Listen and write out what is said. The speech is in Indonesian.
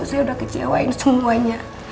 saya udah kecewain semuanya